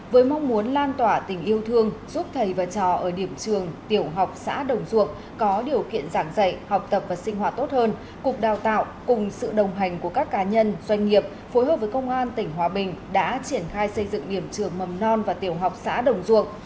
với mong muốn lan tỏa tình yêu thương giúp thầy và trò ở điểm trường tiểu học xã đồng duộng có điều kiện giảng dạy học tập và sinh hoạt tốt hơn cục đào tạo cùng sự đồng hành của các cá nhân doanh nghiệp phối hợp với công an tỉnh hòa bình đã triển khai xây dựng điểm trường mầm non và tiểu học xã đồng duộng